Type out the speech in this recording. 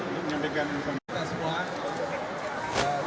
terima kasih kepada semua